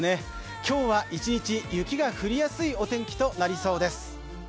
今日は一日、雪が降りやすいお天気となりそうです。